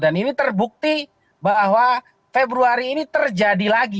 dan ini terbukti bahwa februari ini terjadi lagi